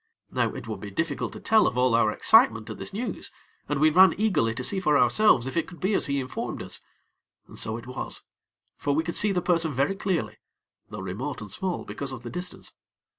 Now it would be difficult to tell of all our excitement at this news, and we ran eagerly to see for ourselves if it could be as he informed us. And so it was; for we could see the person very clearly; though remote and small because of the distance.